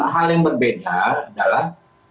hal yang berbeda adalah